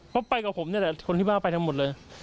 เพราะว่าไปกับผมเนี่ยแหละคนที่บ้านก็ไปทั้งหมดเลย